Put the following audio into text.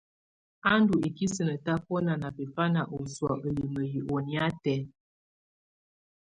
Á ndù ikisinǝ tabɔna na bɛfana ɔsɔ̀á ǝlimǝ yɛ ɔnɛ̀á tɛ̀á.